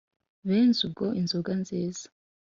Benze ubwo inzoga nziza